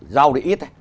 rau thì ít